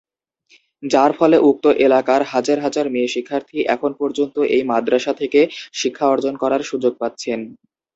যার ফলে উক্ত এলাকার হাজার হাজার মেয়ে শিক্ষার্থী এখন পর্যন্ত এই মাদ্রাসা থেকে শিক্ষা অর্জন করার সুযোগ পাচ্ছেন।